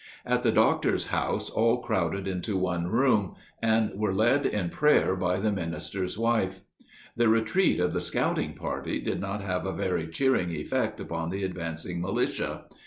At the doctor's house all crowded into one room, and were led in prayer by the minister's wife. The retreat of the scouting party did not have a very cheering effect upon the advancing militia.